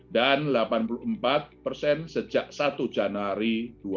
dan delapan puluh empat sejak satu januari dua ribu dua puluh satu